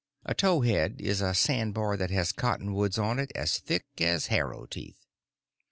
A tow head is a sandbar that has cottonwoods on it as thick as harrow teeth.